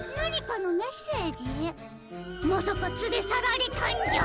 まさかつれさられたんじゃ？